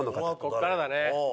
ここからだね。